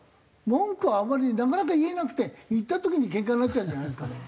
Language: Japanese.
文句はあまりなかなか言えなくて言った時にけんかになっちゃうんじゃないですかね。